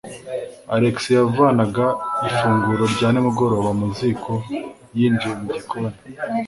Alex yavanaga ifunguro rya nimugoroba mu ziko yinjiye mu gikoni.